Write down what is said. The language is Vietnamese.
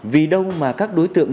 vì đâu mà các đối tượng